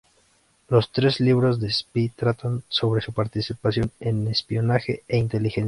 Los tres libros de Spy tratan sobre su participación en espionaje e inteligencia.